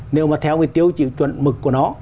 nếu mà theo cái tiêu chuẩn mực của nó